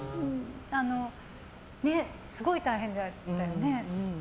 すごい大変だったよね。